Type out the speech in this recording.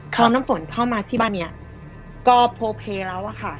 น้ำฝนเข้ามาที่บ้านนี้ก็โพเพแล้วอะค่ะ